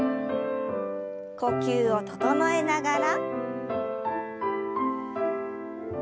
呼吸を整えながら。